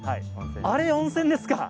あれ、温泉ですか。